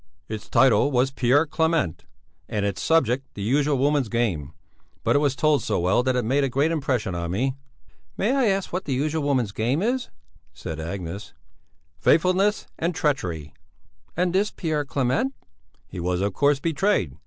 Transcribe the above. "Its title was 'Pierre Clément,' and its subject the usual woman's game. But it was told so well that it made a great impression on me." "May I ask what the usual woman's game is?" said Agnes. "Faithlessness and treachery!" "And this Pierre Clément?" "He was, of course, betrayed.